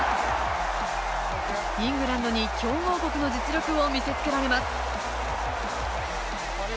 イングランドに強豪国の実力を見せつけられます。